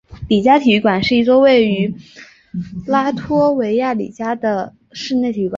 里加体育馆是一座位于拉脱维亚里加的室内体育馆。